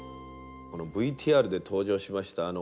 ＶＴＲで登場しました